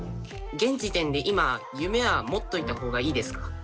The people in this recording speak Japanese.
現時点で今夢は持っといた方がいいですか？